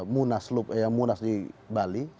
munas di bali